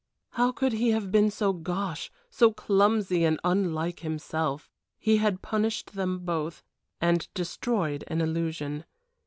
How could he have been so gauche, so clumsy and unlike himself. He had punished them both, and destroyed an illusion.